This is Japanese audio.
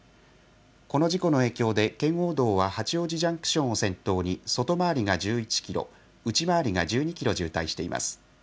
この事故の影響で、圏央道は八王子ジャンクションを先頭に外回りが１１キロ、内回りが１２キロ渋滞しています。